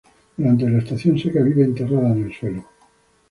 Durante la estación seca vive enterrada en el suelo.